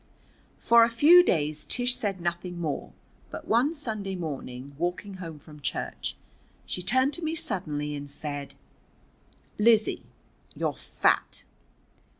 For a few days Tish said nothing more, but one Sunday morning, walking home from church, she turned to me suddenly and said: "Lizzie, you're fat."